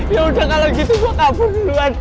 yaudah kalau gitu gue kabur duluan